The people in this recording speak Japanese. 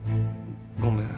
ごめん。